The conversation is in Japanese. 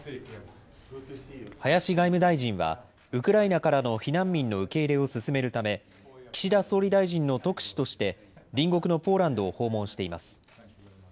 林外務大臣は、ウクライナからの避難民の受け入れを進めるため、岸田総理大臣の特使として隣国のポーランドを訪問しています。